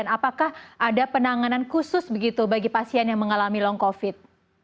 apakah ada penanganan khusus begitu bagi pasien yang mengalami long covid